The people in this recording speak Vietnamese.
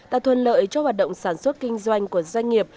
tạo thuận lợi cho hoạt động sản xuất kinh doanh của doanh nghiệp